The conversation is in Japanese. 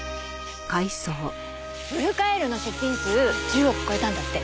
ウルカエールの出品数１０億超えたんだって。